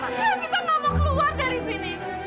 mama saya tidak mau keluar dari sini